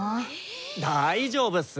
大丈夫っす！